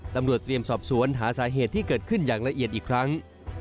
ตำรวจเตรียมสอบสวนหาสาเหตุที่เกิดขึ้นอย่างละเอียดอีกครั้ง